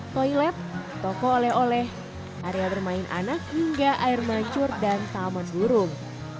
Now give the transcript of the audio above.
toilet toko oleh oleh area bermain anak hingga air mancur dan taman burung